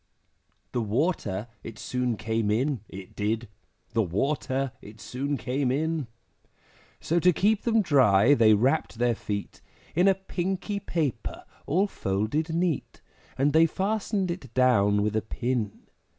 The water it soon came in, it did, The water it soon came in; So to keep them dry, they wrapped their feet In a pinky paper all folded neat, And they fastened it down with a pin.